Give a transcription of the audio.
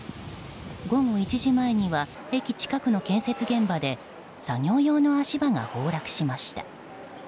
午後１時前には駅近くの建設現場で作業用の足場が崩落しました。